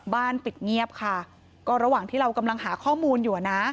ปิดเงียบค่ะก็ระหว่างที่เรากำลังหาข้อมูลอยู่นะ